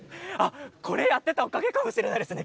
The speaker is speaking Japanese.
これやっていたおかげかもしれないですね。